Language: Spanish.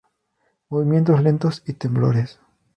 Movimientos lentos, y temblores.